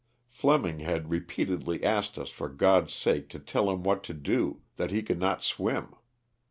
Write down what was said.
Fleming had repeatedly asked us for God's sake to tell him what to do, that he could not swim.